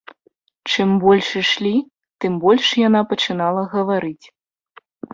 Чым больш ішлі, тым больш яна пачынала гаварыць.